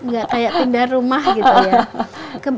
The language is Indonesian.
gak kayak pindah rumah gitu ya